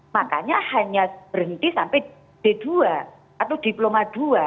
makanya hanya berhenti sampai d dua atau diploma dua